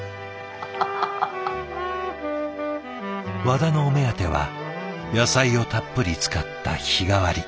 ワダのお目当ては野菜をたっぷり使った日替わり。